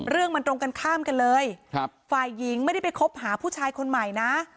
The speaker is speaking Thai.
เรื่องมันตรงกันข้ามกันเลยฝ่ายหญิงไม่ได้ไปคบหาผู้ชายคนใหม่นะ